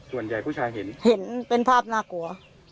ส่วนใหญ่ผู้ชายเห็นเห็นเป็นภาพน่ากลัว